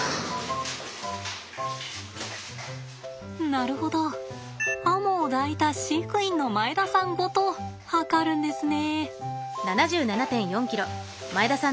なるほどアモを抱いた飼育員の前田さんごと量るんですね。